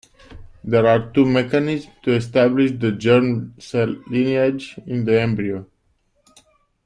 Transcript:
There are two mechanisms to establish the germ cell lineage in the embryo.